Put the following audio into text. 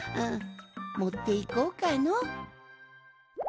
もっていこうかの。